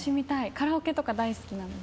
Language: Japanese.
カラオケとか大好きなので。